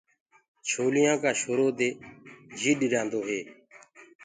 لهرينٚ ڪآ شورو دي جي ڏريآندو هي۔